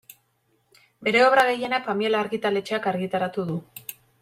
Bere obra gehiena Pamiela argitaletxeak argitaratu du.